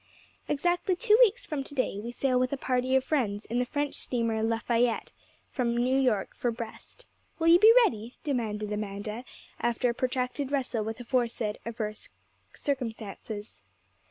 'Exactly two weeks from to day, we sail with a party of friends in the French steamer "Lafayette," from New York for Brest. Will you be ready?' demanded Amanda, after a protracted wrestle with aforesaid adverse circumstances.